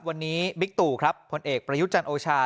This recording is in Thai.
วันนี้บิ๊กตู่ครับผลเอกประยุทธ์จันทร์โอชา